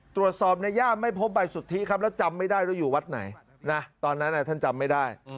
ตรวจสอบในย่ามไม่พบใบสุทธิครับแล้วจำไม่ได้ว่าอยู่วัดไหนนะตอนนั้นท่านจำไม่ได้